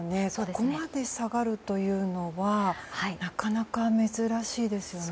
ここまで下がるというのはなかなか珍しいですよね。